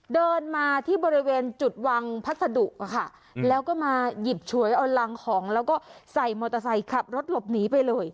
เดินมาที่บริเวณจุดวางพัสดุค่ะแล้วก็มาหยิบฉวยเอารังของแล้วก็ใส่มอเตอร์ไซค์ขับรถหลบหนีไปเลย